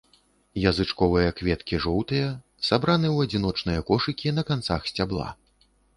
Язычковыя кветкі жоўтыя, сабраны ў адзіночныя кошыкі на канцах сцябла.